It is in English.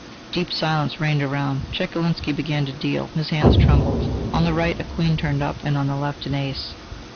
Deep silence reigned around. Chekalinsky began to deal; his hands trembled. On the right a queen turned up, and on the left an ace.